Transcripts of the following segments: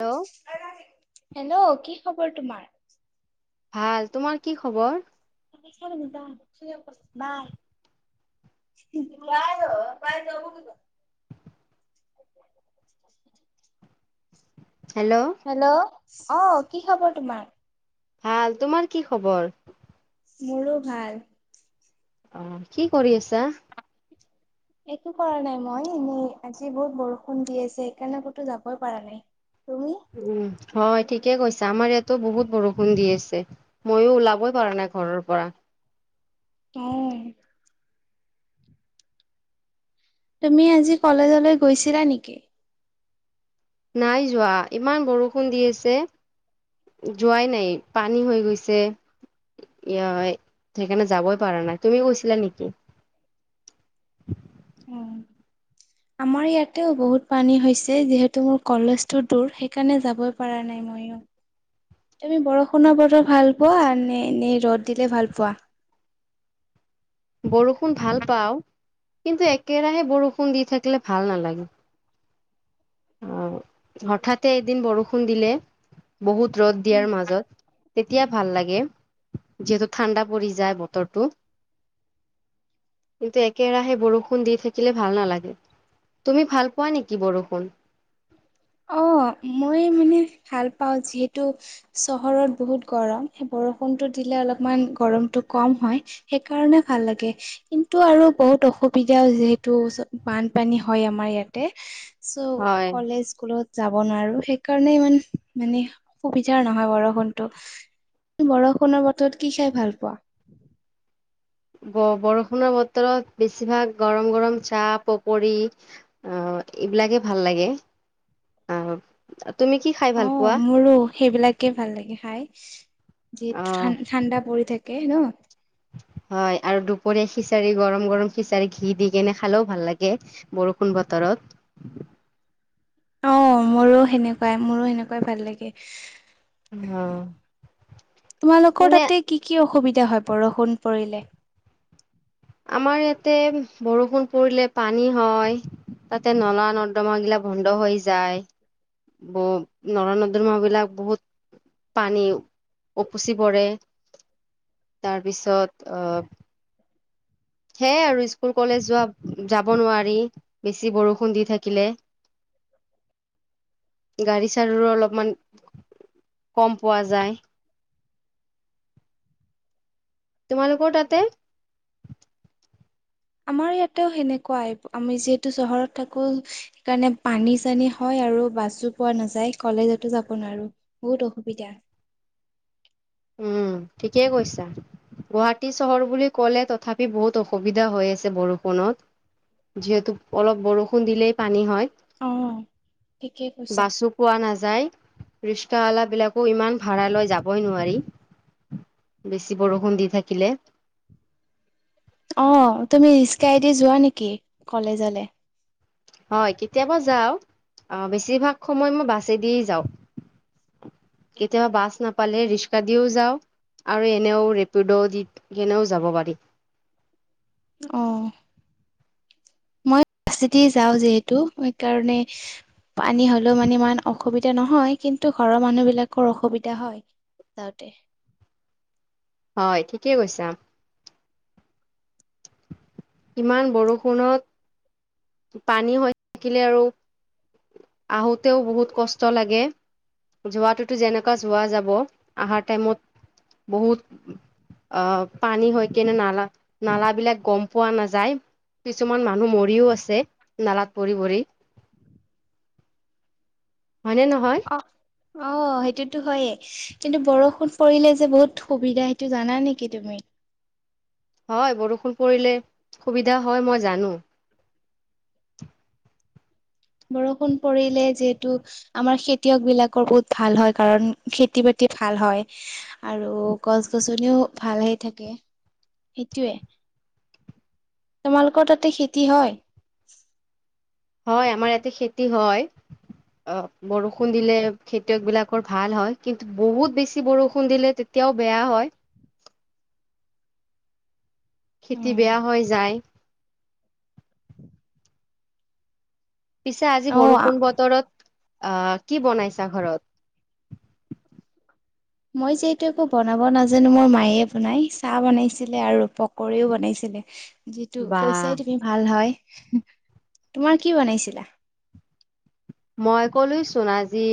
Hello hello কি খবৰ তোমাৰ ভাল তোমাৰ কি খবৰ [inaudible] হেল্ল' অঁ কি খবৰ তোমাৰ ভাল তোমাৰ কি খবৰ মোৰো ভাল আহ কি কৰি আছা একো কৰা নাই মই এনেই আজি বহুত বৰষুণ দি আছে সেইকাৰণে ক'তো যাবই পা নাই তুমি? উম হয় ঠিকে কৈছো আমাৰ ইয়াতো বহুত বৰষুণ দি আছে মইয়ো ওলাবই পাৰা নাই ঘৰৰ পৰা উম তুমি আজি কলেজলৈ গৈছিলা নেকি নাই যোৱা ইমান বৰষুণ দি আছে যোৱাই নাই পানী হৈ গৈছে সেইকাৰণে যাবই পাৰা নাই তুমি কৈছিলা নেকি আমাৰ ইয়াতেও বহুত পানী হৈছে যিহেতু মোৰ কলেজটো দূৰ সেইকাৰণে যাবই পৰা নাই ময়ো। তুমি বৰষুণৰ বতৰ ভাল পোৱা নে নে ৰ'দ দিলে ভাল পোৱা বৰষুণ ভাল পাও কিন্তু একেৰাহে বৰষুণ দি থাকিলে ভাল নালাগে অঁ হঠাতে এদিন বৰষুণ দিলে বহুত ৰ'দ দিয়াৰ মাজত তেতিয়া ভাল লাগে যিহেতু ঠাণ্ডা পৰি যায় বতৰটো কিন্তু একেৰাহে বৰষুণ দি থাকিলে ভাল নালাগে তুমি ভাল পোৱা নেকি বৰষুণ। অ মই মানে ভাল পাওঁ যিহেতু চহৰত বহুত গৰম সেই বৰষুণটো দিলে অলপমান গৰমটো কম হয় সেইকাৰণে ভাল লাগে কিন্তু আৰু বহুত অসুবিধাও যিহেতু বানপানী হয় আমাৰ ইয়াতে চ' হয় কলেজ যাব নোৱাৰো সেইকাৰণে ইমান মানে সুবিধাৰ নহয় বৰষুণতটো বৰষুণৰ বতৰত কি খাই ভাল পোৱা ব বৰষুণৰ বতৰত বেছিভাগ গৰম গৰম চাহ পকৰি অঁ এইবিলাকে ভাল লাগে অঁ অঁ মোৰো সেইবিলাকে ভাল লাগে খাই অ যিহেতু ঠাণ্ডা পৰি থাকে [inaudible] হয় আৰু দুপৰীয়া খিচাৰি গৰম গৰম খিচাৰি ঘি দি কেনে খালেও ভাল লাগে বৰষুণ বতৰত অঁ মোৰো সেনেকুৱাই মোৰো সেনেকুৱাই ভাল লাগে। অ তোমালোকৰ এনে তাতে কি কি অসুবিধা হয় বৰষুণ পৰিলে আমাৰ ইয়াতে বৰষুণ পৰিলে পানী হয় তাতে নলা নৰ্দমা গিলা বন্ধ হৈ যায় ব নলা নৰ্দমা বিলাক বহুত পানী উপচি পৰে তাৰপিছত আহ সেয়াই আৰু স্কুল কলেজ যোৱা যাব নোৱাৰি বেছি বৰষুণ দি থাকিলে গাড়ী চাৰ়ুৰো অলপমান কম পোৱা যায় তোমালোকৰ তাতে আমাৰ ইয়াতেও সেনেকুৱাই আমি যিহেতু চহৰত থাকো সেইকাৰণে পানী চানী হয় আৰু বাছো পোৱা নেযায় কলেজতো যাব নোৱাৰো বহুত অসুবিধা উম ঠিকেই কৈছা গুৱাহাটী চহৰ বুলি ক'লে তথাপি বহুত অসুবিধা হৈ আছে বৰষুণত যিহেতু অলপ বৰষুণ দিলেই পানী হয় অ ঠিকেই কৈছা। বাছো পোৱা নাযায় ৰিস্কাৱালাক বিলাক কু ইমান ভাড়া লয় যাবই নোৱাৰি বেছি বৰষুণ দি থাকিলে অ তুমি ৰিক্সাইদি যোৱা নেকি কলেজলে হয় কেতিয়াবা যাওঁ অ বেছিভাগ সময় মই বাছে দিয়েই যাওঁ কেতিয়াবা বাছ নাপালে ৰিক্সা দিও যাওঁ আৰু এনেও ৰেপিড' দি কেনেও যাব পাৰি অঁ দি যাওঁ যিহেতু সেইকাৰণে পানী হ'লেও মানে ইমান অসুবিধা অসুবিধা নহয় কিন্তু ঘৰৰ মানুহ বিলাকৰ অসুবিধা হয় যাওঁতে হয় ঠিকেই কৈছা ইমান বৰষুণত পানী হৈ থাকিলে আৰু আহোঁতেও বহুত কষ্ট লাগে যোৱাটোতো যেনেকুৱা যোৱা যাব আহাৰ টাইমত বহুত আহ পানী হৈ কিনে নালা নালাবিলাক গম পোৱা নেযায় কিছুমান মানুহ মৰিও আছে নালাত পৰি পৰি। হয়নে নহয় অঁ সেইটোতো হয়য়ে কিন্তু বৰষুণ পৰিলে যে বহুত সুবিধা সেইটো জানা নেকি তুমি হয় বৰষুণ পৰিলে সুবিধা হয় মই জানো বৰষুণ পৰিলে যিহেতু আমাৰ খেতিয়ক বিলাকৰ বহুত ভাল হয় কাৰণ খেতি বাতি ভাল হয় আৰু গছ গছনিও ভাল হৈ থাকে সেইটোৱে তোমালোকৰ তাতে খেতি হয় হয় আমাৰ ইয়াতে খেতি হয় অ বৰষুণ দিলে খেতিয়ক বিলাকৰ ভাল হয় কিন্তু বহুত বেছি বৰষুণ দিলে তেতিয়াও বেয়া হয় খেতি উম বেয়া হৈ যায় [inaudible] পিছে আজি অ বৰষুণ বতৰত আহ কি বনাইছা ঘৰত মই যিহেতু একো বনাব নাজানো মোৰ মায়ে বনাই চাহ বনাইছিলে আৰু পকৰিও বনাইছিলে। যিটো বা কইচাই তুমি ভাল হয় তোমাৰ কি বনাইছিলা মই কলোয়েচোন আজি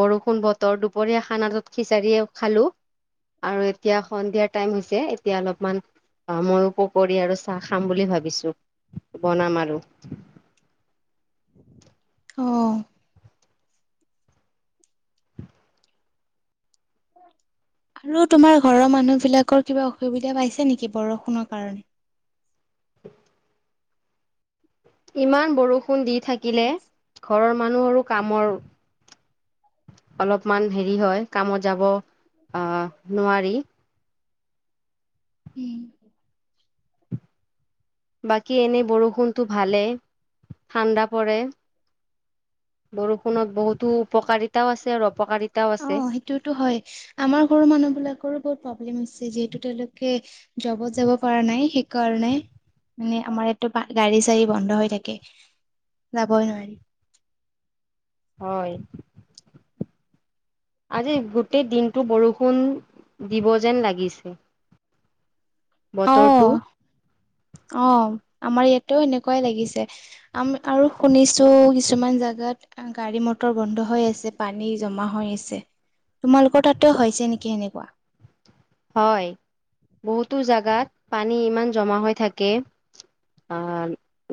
বৰষুণ বতৰ দুপৰীয়া খানাটোত বিচাৰিয়েই খালো আৰু এতিয়া সন্ধিয়াৰ টাইম হৈছে এতিয়া অলপমান অঁ ময়ো পকৰী আৰু চাহ খাম বুলি ভাবিছোঁ বনাম আৰু আহ আৰু তোমাৰ ঘৰৰ মানুহ বিলাকৰ কিবা অসুবিধা পাইছে নেকি বৰষুণৰ কাৰণে ইমান বৰষুণ দি থাকিলে ঘৰৰ মানুহৰো কামৰ অলপমান হেৰি হয় কামত যাব আহ নোৱাৰি উম বাকী এনেই বৰষুণটো ভালে ঠাণ্ডা পৰে বৰষুণত বহুতো উপকাৰিতাও আছে আৰু অপকাৰিতাও অ আছে সেইটোতো হয় আমাৰ ঘৰৰ মানুহ বিলাকৰো বহুত প্ৰব্লেম হৈছে যিহেতু তেওঁলোকে জবত যাব পৰা নাই সেইকাৰণে মানে আমাৰ ইয়াতো গাড়ী চাৰী বন্ধ হৈ থাকে যাবই নোৱাৰি হয় আজি গোটেই দিনটো বৰষুণ দিব যেন লাগিছে অ বতৰটো অ আমাৰ ইয়াতেও এনেকুৱাই লাগিছে আম আৰু শুনিছোঁ কিছুমান জেগাত গাড়ী মটৰ বন্ধ হৈ আছে পানী জমা হৈ আছে তোমালোকৰ তাতো হৈছে নেকি এনেকুৱা হয় বহুতো জাগাত পানী ইমান জমা হৈ থাকে আহ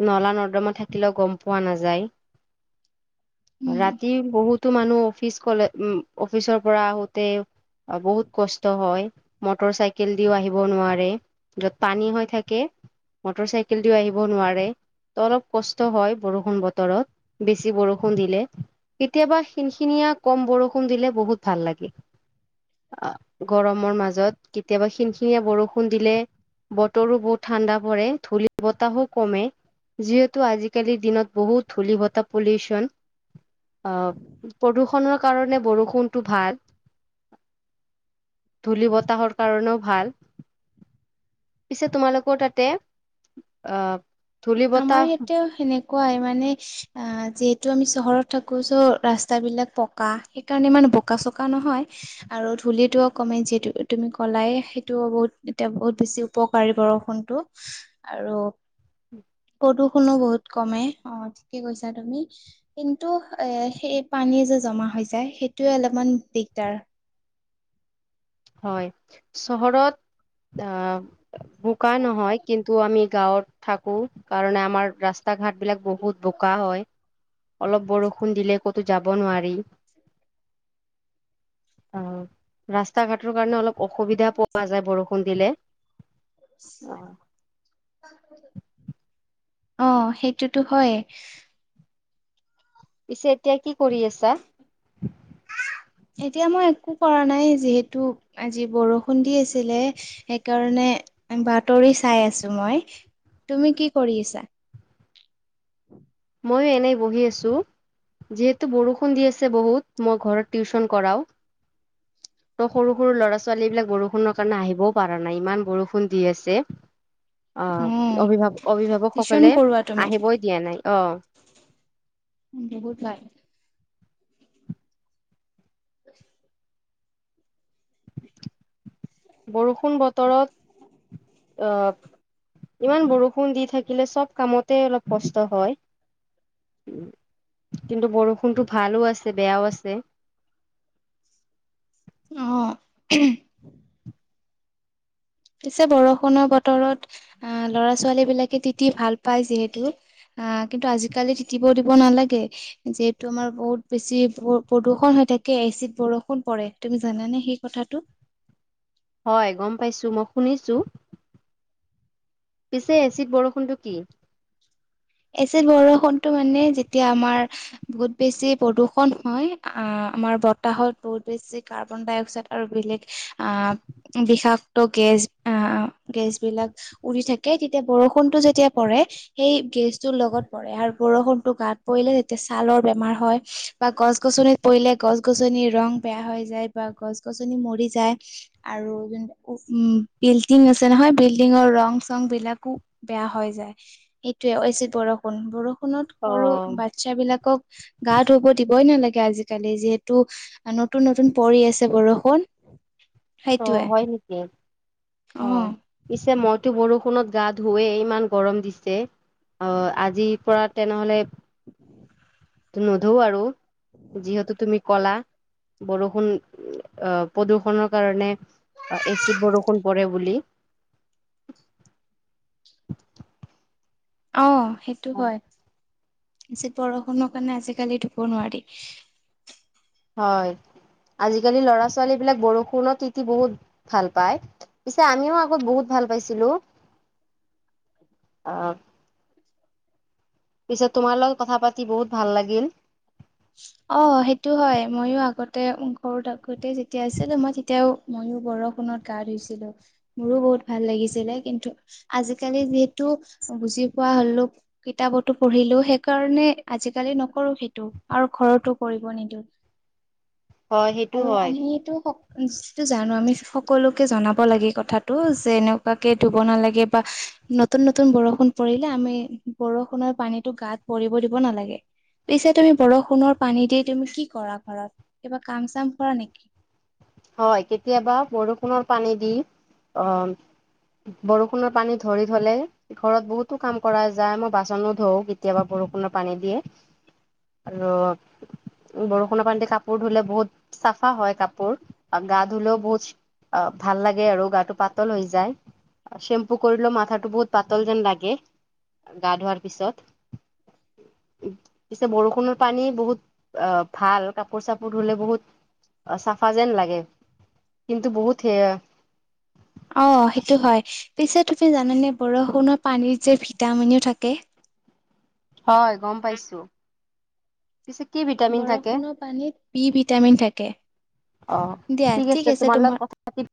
নলা নৰ্দমা থাকিলেও গম পোৱা নেযায় উম ৰাতি বহুত তোৰ, মানুহ অফিচ কলে, উম, অফিচৰ পৰা আহোতে, বহুত কষ্ট হয় মটৰ চাইকেল দিও আহিব নোৱাৰে, যত পানী হৈ থাকে, মটৰ চাইকেল দিও আহিব নোৱাৰে, ত অলপ কষ্ট হয় বৰষুণ বতৰত, বেছি বৰষুণ দিলে, কেতিয়াবা সিনখিনিয় কম বৰষুণ দিলে বহুত ভাল লাগে। অ গৰমৰ মাজত ত কেতিয়াবা খিনিখিনিয়ে বৰষুণ দিলে, বতৰো বহুত ঠাণ্ডা পৰে, ধূলি বতাহো কমে, যিহেতু আজিকালিৰ দিনত বহুত ধূলি বতাহ পলিউচন, আহ প্ৰদূষণৰ কাৰণে বৰষুণটো ভাল, ধূলি বতাহ সপ্তাহৰ কাৰণেও ভাল। পিছে তোমালোকেও, তাতে আহ ধূলি আমাৰ বতাহ ইয়াতেও সেনেকুৱাই, মানে যে যটো আমি চহৰত থাকো, চ' ৰাস্তাবিলাক পকা, সেইকাৰণে ইমান বোকা চোকা নহয়, আৰু ধূলিতটো অ কমে যিহেত তুমি ক'লাই সেইটোও বহুত এতিয়া বহুত বেছি উপকাৰী বৰষুণটো, আৰু প্ৰদূষণো বহুত কমে, অ ঠিকে কৈছা তুমি, কিন্তু এ সেই পানী যে জমা হৈ যায়, সেইটোয়ে অলপমান দিগদাৰ। হয়, চহৰত, আহ বোকা নহয়, কিন্তু আমি গাঁৱত থাকো কাৰণে আমাৰ ৰাস্তা ঘাট বিলাক বহুত বোকা হয়। অলপ বৰষুণ দিলে ক'তো যাব নোৱা যি, অ' ৰাস্তা ঘাটৰ কাৰণে অলপ অসুবিধা পোৱা যায় বৰষুণ দিলে অ‍ঁ সেইটোতো হয়। পিছে এতিয়া কি কৰি আছা? এতিয়া মই একো কৰা নাই যিহেতু আজি বৰষুণ দি আছিলে, সেইকাৰণে বাতৰি চাই আছো মই, তুমি কি কৰি আছা? মই এনে বহি আছো, যিহেতো বৰষুণ দি আছে বহুত, মই ঘৰত টিউচন কৰাও, সৰু-সৰু লৰা ছোৱালী বিলাক বৰষুণৰ কাৰণে আহিবও পাৰে ৰা, নাই ইমান বৰষুণ দি আছে। অ অঁ, অভিভাৱ, টিউচন অভিভাৱকসকলে কৰোৱা তুমি আহিবই দিয়া নাই। অঁ। হুত লাই [unintelligible] আ [inaudible] বৰষুণ বতৰত, আ ইমান বৰষুণ দি থাকিলে চব কামতে অলপ কষ্ট হয়, উম, কিন্তু বৰষুণটো ভালো আছে, বেয়াও আছে। অঁ'হ। পিছে বৰষুণৰ বতৰত, আহ ল'ৰা ছোৱালী বিলাকে তিতি ভাল পায় যিহেতু আ কিন্তু আজিকালি তিতিব দিব কব নালাগে, যিহেতু আমাৰ বহুত বেছি প্ৰদূষন হৈ থাকে এচিত বৰষুণ পৰে, তুমি জানানে সেই কথাটো? হয় গম পাইছো, মই শুনিছো। পিছে, এচিড বৰষুণটো কি? এচিড বৰষুণটো মানে, যেতিয়া আমাৰ, বহুত বেছি প্ৰদূষন হয়, আহ আমাৰ বতাহত বহুত বেছি কাৰ্বন ডাই অক্সাইড আৰু বেলেগ, আহ বিষাক্ত গেছ, আহ গেছ বিলাক উৰি থাকে, তেতিয়া বৰষুণটো যেতিয়া পৰে, সেই গেছ লগত পৰে, আৰু বৰষুণতটো গাত পৰিলে তেতিয়া ছালৰ বেমাৰ হয়, বা গছ গছনিত পৰিলে, গছ গছনিৰ ৰং বেয়া হৈ যায়, বা গছ গছনি মৰি যায়, আৰু যোন উ উ বিল্ডিং আছে নহয়, বিল্ডিঙৰ ৰং চং বিলাকো বেয়া হৈ যায়, সেইটোয়ে বৰষুণ, বৰষণ ত অ সৰু বাচ্ছা বিলাকক গা ধুব দিব বই নালাগে আজিকালি যিহেতু নতুন নতুন পৰি আছে বৰষুণ অঁ, সেইটোৱে হয় নেকি? অ অঁ পিছে মই এইটো বৰষুণত গা ধোৱেই, ইমান গৰম দিছে, অ আজিৰ পৰা তেনেহলে উ [inaudible] নধও আৰু। যিহেতু তুমি কলা। বৰষুণ অ প্ৰদূষণৰ। কাৰণে এচিড বৰষুণ পৰে বুলি। অ' সেইটো হয়। যে বৰষুণৰ কাৰণে আজিকালি ধুব নোৱাৰি। হয় আজিকালি লৰা ছোৱালী বিলাক বৰষুণত তিতি বহুত ভাল পায় পিছে আমিও আগত বহুত ভাল পাইছিলো আহ পিছত তোমাৰ লগত কথা পাতি বহুত ভাল লাগিল অ 'সেইটো হয় ময়ো আগতে ঘৰ থাকো গোটেই যেতিয়া আছিল মই তেতিয়াও। ময়ো বৰষুণত গা ধুইছিলো মোৰো বহুত ভাল লাগিছিলে কিন্তু আজিকালি যিহেতু বুজি পোৱা হলো কিতাপতো পঢ়িলো সেইকাৰণে আজিকালি নকৰো সেইটো আৰু ঘৰতো কৰিব নিদিওঁ। হয় সেইটো আৰু হয়। আমি এইটো। যিটো জানো আমি সকলোকে জনাব লাগে কথাটো যে এনেকুৱাকে ধুব নালাগে বা নতুন- নতুন বৰষুণ পৰিলে আমি বৰষুণৰ পানীতো গাত ভৰিব দিব নালাগে পিছে তুমি। বৰষুণৰ পানী দি তুমি কি কৰা ঘৰত কিবা কাম চাম কৰা নেকি? হয়, কেতিয়াবা বৰষুণনৰ পানী দি আহ বৰষুণৰ পানী ধৰি ধলে ঘৰত বহুতো কাম কৰা যায় মই বাচনো ধো কেতিয়াবা বৰষুণৰ পানী দিয়ে আৰু বৰষুণৰ পানী দি কাপোৰ ধুলে বহুত চাফা হয় কাপোৰ গা ধুলেও বহুত ভাল লাগে আৰু গাটো পাতল হৈ যায় চেম্পু কৰিলেও মাথাটো বহুত পাতল যেন লাগে গা ধোৱাৰ পিছত পিছে বৰষুণৰ পানী বহুত আহ ভাল কাপোৰ চাপোৰ ধুলে বহুত চাফা যেন লাগে। কিন্তু বহুত সেয়া। অ' সেইটো হয় পিছে তুমি জানানে বৰষুণৰ পানীৰ যে ভিটামিনো থাকে। হয় গম পাইছো। পিছে কি ভিটামিন থাকে বৰষুণৰ পানীত বি ভিটামিন থাকে অ দিয়া ঠিক আছে লগত তোমাৰ। কথা পাতি